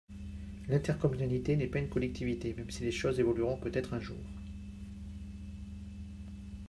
L’intercommunalité n’est pas une collectivité, même si les choses évolueront peut-être un jour.